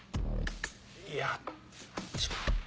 いやちょっと。